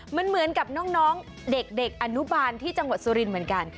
มันเหมือนกับน้องเด็กอนุบาลที่จังหวัดสุรินทร์เหมือนกัน